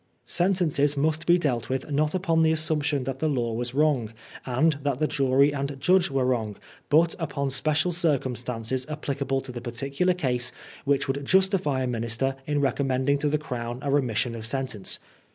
Sentences must be dealt with not upon the assumption that the law was wrong, and that the jury and judge were wrong, but upon special circumstances apphcable to the particular case which would justify a Minister m recom mending to the Crown a remission of sentence.